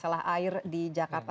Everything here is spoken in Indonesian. masalah air di jakarta